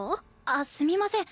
あっすみません